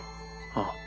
ああ。